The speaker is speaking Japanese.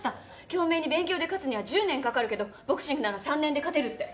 京明に勉強で勝つには１０年かかるけどボクシングなら３年で勝てるって。